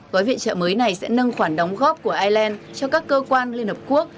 gói viện trợ mới này sẽ nâng khoản đóng góp của ireland cho các cơ quan liên hợp quốc